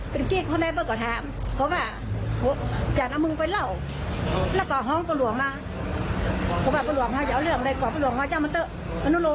ผู้เล่นที่ต่างเงินสามหมื่นสี่หมื่นเอามาจ้างมามีเงินจ้างมาจ้าง